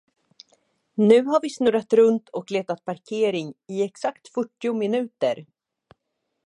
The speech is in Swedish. Nu har vi snurrat runt och letat parkering i exakt fyrtio minuter.